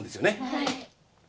はい。